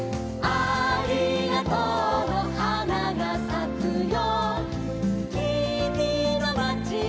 「ありがとうのはながさくよ」